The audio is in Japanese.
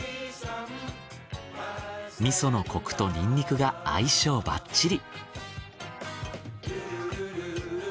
味噌のコクとニンニクが相性バッチリ。